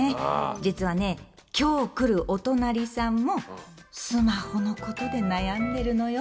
実はね今日来るおとなりさんもスマホのことで悩んでるのよ。